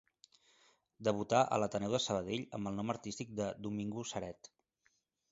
Debutà a l'Ateneu de Sabadell amb el nom artístic de Domingo Ceret.